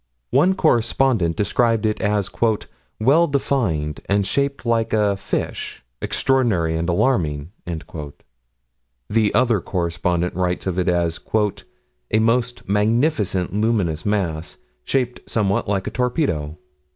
One correspondent describes it as "well defined and shaped like a fish... extraordinary and alarming." The other correspondent writes of it as "a most magnificent luminous mass, shaped somewhat like a torpedo."